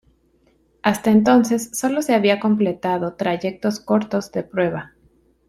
Hasta entonces solo se había completado trayectos cortos de prueba.